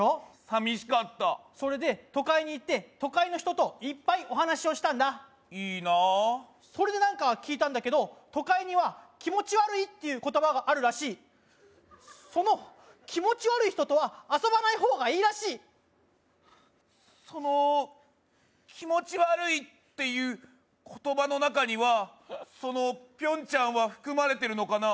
寂しかったそれで都会に行って都会の人といっぱいお話をしたんだいいなあそれで何か聞いたんだけど都会には「気持ち悪い」っていう言葉があるらしいその気持ち悪い人とは遊ばない方がいいらしいその気持ち悪いっていう言葉のなかにはそのピョンちゃんは含まれてるのかな